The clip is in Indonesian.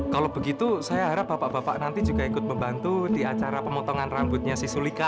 kalau begitu saya harap bapak bapak nanti juga ikut membantu di acara pemotongan rambutnya si sulika